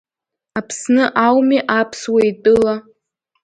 Аԥсны ауми аԥсуа итәыла.